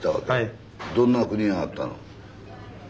どんな国があったの？